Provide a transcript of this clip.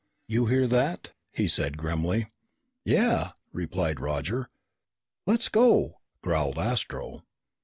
"You hear that?" he said grimly. "Yeah!" replied Roger. "Let's go!" growled Astro.